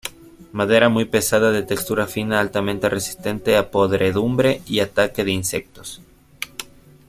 Madera muy pesada, de textura fina altamente resistente a podredumbre y ataque de insectos.